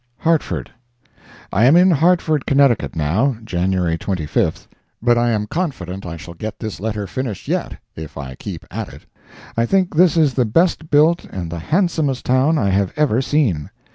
Hartford. I am in Hartford, Connecticut, now, (January 25th), but I am confident I shall get this letter finished yet, if I keep at it. I think this is the best built and the handsomest town I have ever seen.